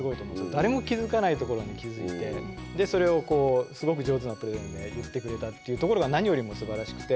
誰も気づかないところに気づいてでそれをすごく上手なプレゼンで言ってくれたっていうところが何よりもすばらしくて。